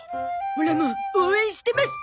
オラも応援してます！